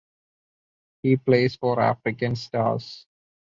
He plays for African Stars.